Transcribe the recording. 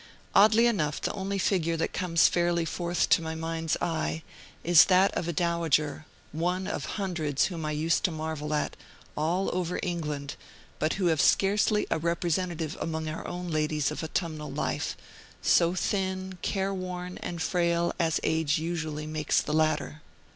Oddly enough, the only figure that comes fairly forth to my mind's eye is that of a dowager, one of hundreds whom I used to marvel at, all over England, but who have scarcely a representative among our own ladies of autumnal life, so thin, careworn, and frail, as age usually makes the latter.